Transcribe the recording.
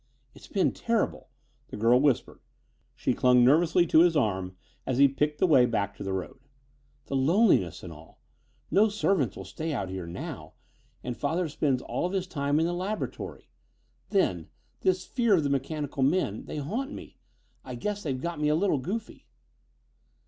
"It's been terrible," the girl whispered. She clung nervously to his arm as he picked the way back to the road. "The loneliness, and all. No servants will stay out here now, and father spends all of his time in the laboratory. Then this fear of the mechanical men they haunt me. I I guess they've got me a little goofy."